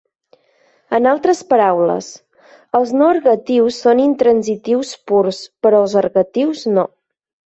En altres paraules, els no ergatius són intransitius purs, però els ergatius no.